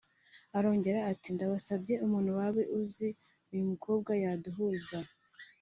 Arongera ati “Ndabasabye umuntu waba uzi uyu mukobwa yaduhuza